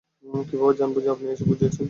কীভাবে জানবো যে আপনি এসব বুঝিয়েছেন?